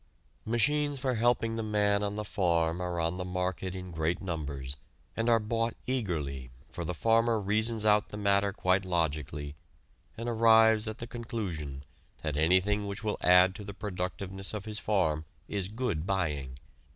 Machines for helping the man on the farm are on the market in great numbers, and are bought eagerly, for the farmer reasons out the matter quite logically, and arrives at the conclusion that anything which will add to the productiveness of his farm is good buying.